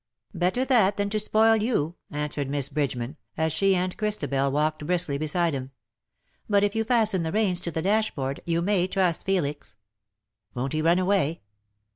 " Better that than to spoil you," answered Miss Bridgeman, as she and Christabel walked briskly beside him. " But if you fasten the reins to the dashboard, you may trust Felix." " Won't he run away